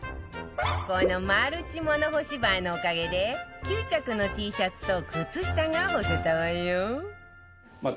このマルチ物干しバーのおかげで９着の Ｔ シャツと靴下が干せたわよ